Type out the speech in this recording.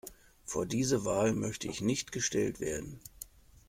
Vor diese Wahl möchte ich nicht gestellt werden.